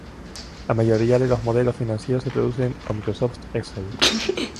La mayoría de los modelos financieros se producen con Microsoft Excel.